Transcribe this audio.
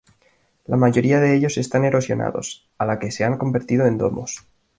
La mayoría de ellos están erosionados, a la que se han convertido en domos.